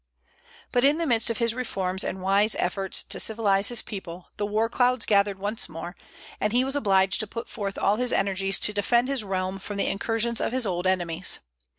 But in the midst of his reforms and wise efforts to civilize his people, the war clouds gathered once more, and he was obliged to put forth all his energies to defend his realm from the incursions of his old enemies.